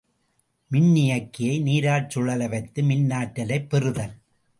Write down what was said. மின்னியக்கியை நீரால் சுழல வைத்து மின்னாற்றலைப் பெறுதல்.